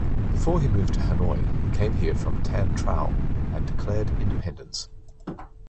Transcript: Before he moved to Hanoi, he came here from Tan Trao and declared independence.